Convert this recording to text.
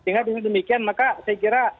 sehingga dengan demikian maka saya kira